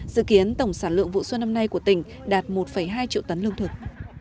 dự kiến tổng sản lượng vụ xuân năm nay của tỉnh đạt một hai triệu tấn lương thực